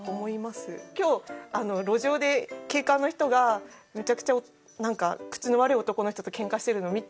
今日路上で警官の人がめちゃくちゃ口の悪い男の人とケンカしてるのを見て。